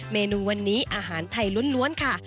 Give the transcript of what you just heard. เมนูวันนี้อาหารไทยล้วนค่ะ